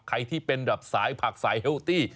ใครที่เป็นแบบสายผักสายเฮลตี้